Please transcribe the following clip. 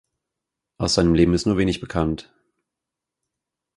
Aus seinem Leben ist nur wenig bekannt.